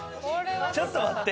ちょっと待って！